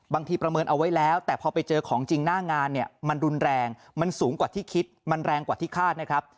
ประเมินเอาไว้แล้วแต่พอไปเจอของจริงหน้างานเนี่ยมันรุนแรงมันสูงกว่าที่คิดมันแรงกว่าที่คาดนะครับ